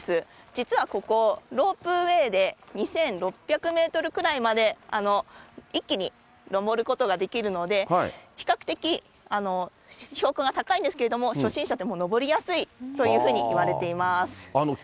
実はここ、ロープウエーで２６００メートルくらいまで一気に登ることができるので、比較的、標高は高いんですけれども、初心者でも登りやすいというふうにいわれています。